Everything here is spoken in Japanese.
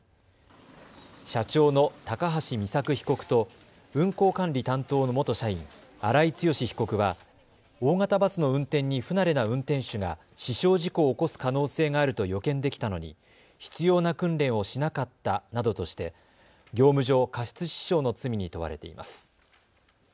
社長の高橋美作被告と運行管理担当の元社員、荒井強被告は大型バスの運転に不慣れな運転手が死傷事故を起こす可能性があると予見できたのに必要な訓練をしなかったなどとして業務上過失致死傷の罪に問われています。